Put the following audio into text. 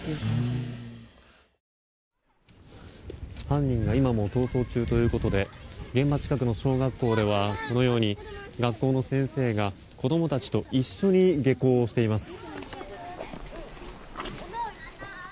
犯人が今も逃走中ということで現場近くの小学校ではこのように学校の先生が子供たちと一緒に下校をしています。